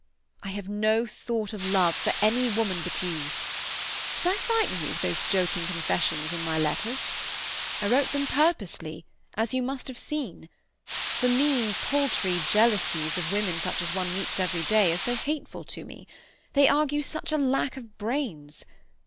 I have no thought of love for any woman but you. Did I frighten you with those joking confessions in my letters? I wrote them purposely—as you must have seen. The mean, paltry jealousies of women such as one meets every day are so hateful to me. They argue such a lack of brains.